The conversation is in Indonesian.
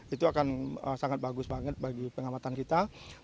itu akan sangat bagus banget bagi pengamatan kita